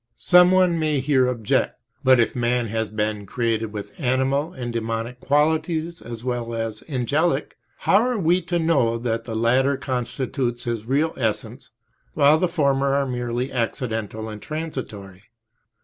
Some one may here object, "But if man has been created with animal and demonic qualities as well as angelic, how are we to know that the latter constitute his real essence, while the former are merely accidental and transitory?"